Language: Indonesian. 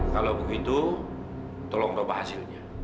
kalau begitu tolong coba hasilnya